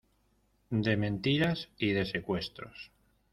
de mentiras y de secuestros.